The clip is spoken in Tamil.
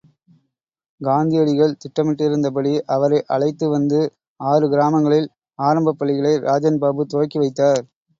காந்தியடிகள் திட்டமிட்டிருந்தபடி அவரை அழைத்து வந்து ஆறு கிராமங்களில் ஆரம்பப் பள்ளிகளை ராஜன்பாபு துவக்கி வைத்தார்.